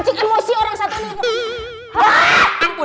emosi orang satu